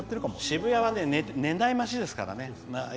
渋谷は寝ない街ですからね。